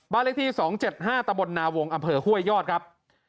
บ้านเลขที่๒๗๕ตะบลนาวงศ์อำเผอฮ่วยยอดครับ